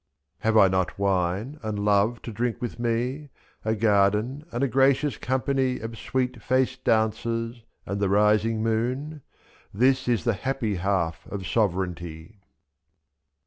82 Have I not wine, and love to drink with me, A garden and a gracious company 2*3. Of sweet faced dancers, and the rising moon?— This is the happy half of sovereignty.